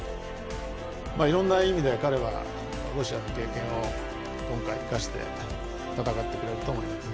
いろんな意味で彼はロシアでの経験を今回、生かして戦ってくれると思います。